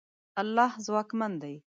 الله ځواکمن دی.